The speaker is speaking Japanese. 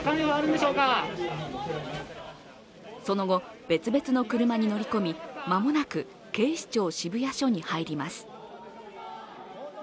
その後、別々の車に乗り込み間もなく警視庁渋谷署に入ります。